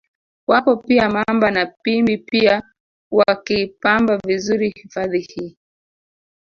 Wapo pia Mamba na Pimbi pia wakiipamba vizuri hifadhi hii